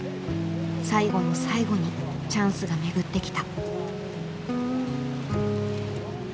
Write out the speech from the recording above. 最後の最後にチャンスが巡ってきた。